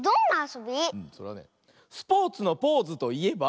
それはね「スポーツのポーズといえば？」。